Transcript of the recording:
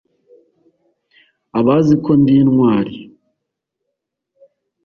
Abazi ko ndi intwari